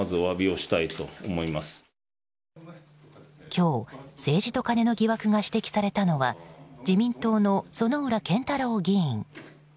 今日、政治とカネの疑惑が指摘されたのは自民党の薗浦健太郎議員。